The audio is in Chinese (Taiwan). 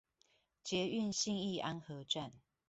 捷運信義安和站